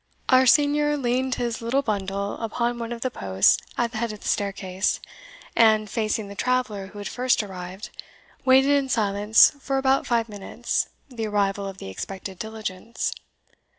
Our senior leaned his little bundle upon one of the posts at the head of the staircase, and, facing the traveller who had first arrived, waited in silence for about five minutes the arrival of the expected diligence.